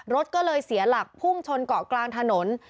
รถก็เลยเสียหลักพุ่งชนเกาะกลางถนน